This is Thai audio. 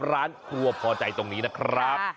ร้านครัวพอใจตรงนี้นะครับ